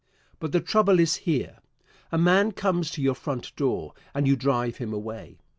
But the trouble is here: A man comes to your front door and you drive him away.